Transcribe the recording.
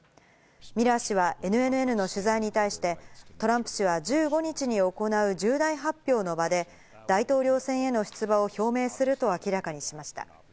ミラー氏はＮＮＮの取材に対して、トランプ氏は１５日に行う重大発表の場で、大統領選への出馬を表明すると明らかにしました。